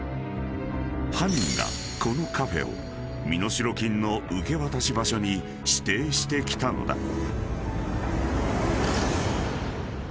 ［犯人がこのカフェを身代金の受け渡し場所に指定してきたのだ］